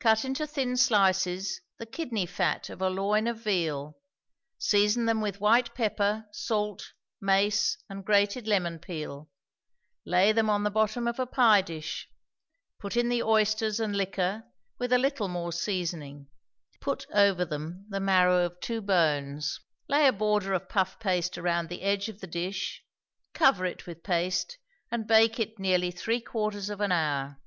Cut into thin slices the kidney fat of a loin of veal; season them with white pepper, salt, mace, and grated lemon peel; lay them on the bottom of a pie dish, put in the oysters and liquor, with a little more seasoning; put over them the marrow of two bones. Lay a border of puff paste around the edge of the dish, cover it with paste, and bake it nearly three quarters of an hour.